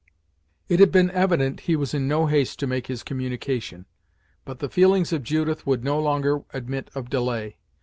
It had been evident he was in no haste to make his communication, but the feelings of Judith would no longer admit of delay.